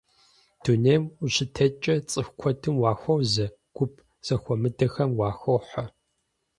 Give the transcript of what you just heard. Дунейм ущытеткӀэ цӀыху куэдым уахуозэ, гуп зэхуэмыдэхэм уахохьэ.